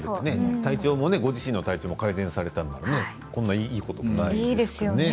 体調もご自身改善されたならこんないいこと、ないですよね。